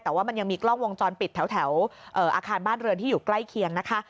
แต่ว่ามันยังมีกล้องวงจรปิดแถวอาคารบ้านเรือนที่อยู่ใกล้เคียงนะคะ